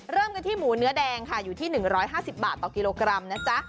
เริ่มกันที่หมูเนื้อแดงค่ะอยู่ที่๑๕๐บาทต่อกิโลกรัมนะจ๊ะ